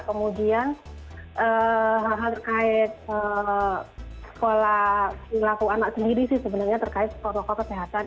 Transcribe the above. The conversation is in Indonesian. kemudian hal hal terkait sekolah laku anak sendiri sih sebenarnya terkait sekolah sekolah kesehatan